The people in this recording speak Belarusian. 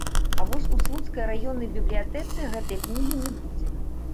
А вось у слуцкай раённай бібліятэцы гэтай кнігі не будзе.